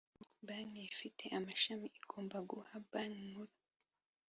Banki ifite amashami igomba guha banki nkuru